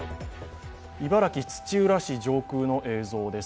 茨城・土浦市上空の映像です。